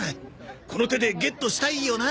この手でゲットしたいよな。